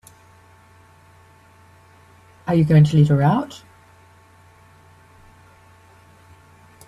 Are you going to let her out?